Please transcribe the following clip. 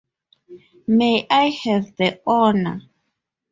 May I have the honor?